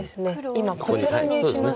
今こちらに打ちましたね。